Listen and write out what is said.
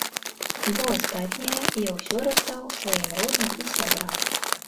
Бо астатняе я ўсё раздаў сваім родным і сябрам.